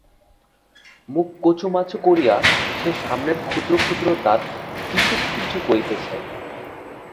মুখ কঁচুমাচু করিয়া সে সামনের ক্ষুদ্র ক্ষুদ্র দাঁত কিছু কিচু করিতেছে।